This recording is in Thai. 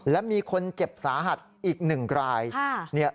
และมีคนเจ็บสาหัสอีก๑ราย